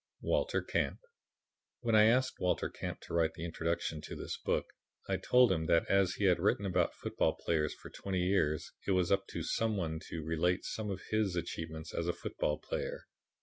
Walter Camp When I asked Walter Camp to write the introduction to this book, I told him that as he had written about football players for twenty years it was up to some one to relate some of his achievements as a football player.